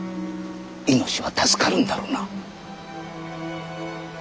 命は助かるんだろうな。